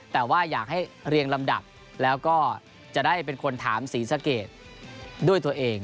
แต่ว่าอยากให้เรียงลำดับแล้วก็จะได้เป็นคนถามศรีสะเกดด้วยตัวเอง